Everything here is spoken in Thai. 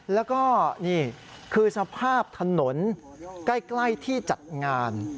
แล้วก็นี่คือสภาพถนนใกล้ที่จัดงาน